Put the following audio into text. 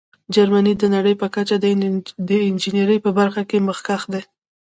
جرمني د نړۍ په کچه د انجینیرۍ په برخه کې مخکښ دی.